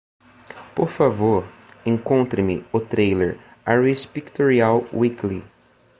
Por favor, encontre-me o trailer Irish Pictorial Weekly.